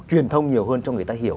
truyền thông nhiều hơn cho người ta hiểu